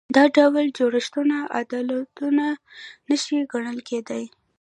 دا ډول جوړښتونه عادلانه نشي ګڼل کېدای.